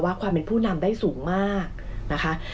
ความเป็นผู้นำได้สูงมากนะคะ